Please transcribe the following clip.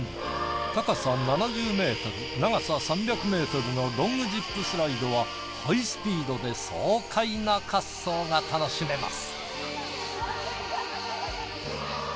高さ７０ｍ長さ３００ｍのロングジップスライドはハイスピードで爽快な滑走が楽しめます。